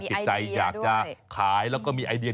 ถ้าไปโคราชจะโทรหาพี่นิ๊ก